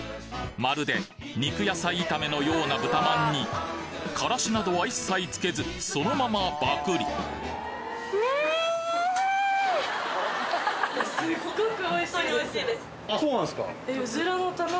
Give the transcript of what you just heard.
まるで肉野菜炒めのような豚まんにからしなどは一切つけずそのままバクリあそうなんですか。